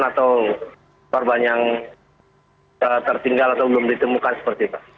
atau korban yang tertinggal atau belum ditemukan seperti itu